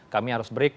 kami harus break